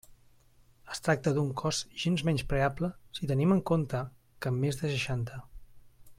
Es tracta d'un cost gens menyspreable, si tenim en compte que en més de seixanta.